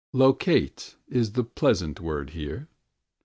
"Locate" is the pleasant word here.